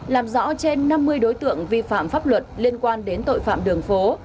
làm rõ trên năm mươi đối tượng vi phạm pháp luật liên quan đến tội phạm đường phố